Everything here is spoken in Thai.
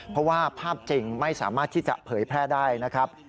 เพราะว่าภาพจริงไม่สามารถที่จะเผยแพร่ได้นะครับ